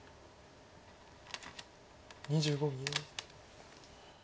２５秒。